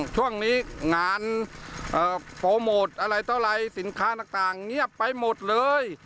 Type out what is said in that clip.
ช่วงนี้งานโปรโมทอะไรเท่าไรสินค้าต่างเงียบไปหมดเลย